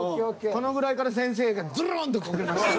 このぐらいから先生がずるんとこけました。